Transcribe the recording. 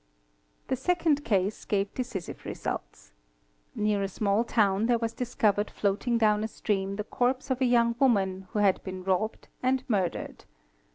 'The second case gave decisive results. Near a small town there was discovered floating down a stream . the corpse of a young woman who had been robbed and murdered.